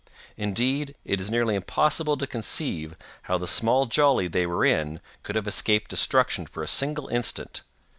Indeed, it is nearly impossible to conceive how the small jolly they were in could have escaped destruction for a single instant.